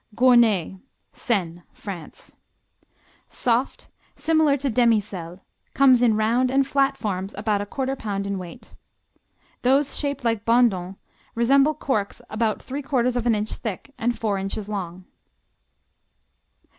Gournay Seine, France Soft, similar to Demi sel, comes in round and flat forms about 1/4 pound in weight. Those shaped like Bondons resemble corks about 3/4 of an inch thick and four inches long.